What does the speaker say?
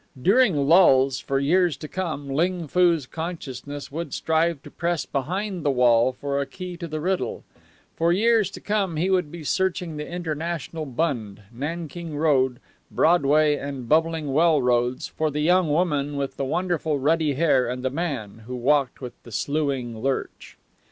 During lulls, for years to come, Ling Foo's consciousness would strive to press behind the wall for a key to the riddle; for years to come he would be searching the International Bund, Nanking Road, Broadway and Bubbling Well roads for the young woman with the wonderful ruddy hair and the man who walked with the sluing lurch.